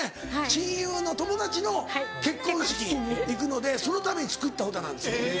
親友の友達の結婚式に行くのでそのために作った歌なんです